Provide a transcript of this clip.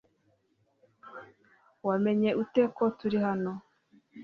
Wamenye ute ko turi hano?